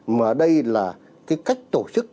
mà ở đây là cái cách tổ chức